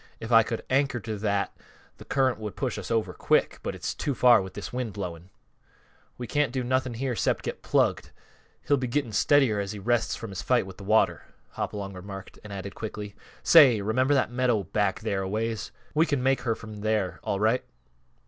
If I could anchor to that, th' current would push us over quick. But it's too far with this wind blowing." "We can't do nothing here 'cept get plugged. He'll be getting steadier as he rests from his fight with th' water," Hopalong remarked, and added quickly, "Say, remember that meadow back there a ways? We can make her from there, all right."